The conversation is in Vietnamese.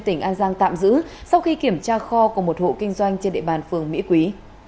tỉnh an giang tạm giữ sau khi kiểm tra kho của một hộ kinh doanh trên địa bàn phường mỹ quý